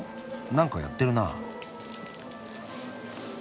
なんかやってるな。